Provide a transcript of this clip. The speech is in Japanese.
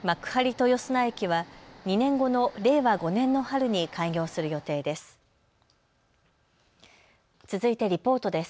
豊砂駅は２年後の令和５年の春に開業する予定です。